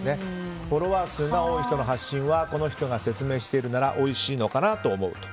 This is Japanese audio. フォロワー数が多い人の発信はこの人が説明しているならおいしいのかな？と思うと。